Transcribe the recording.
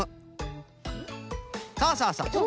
そうそうそう。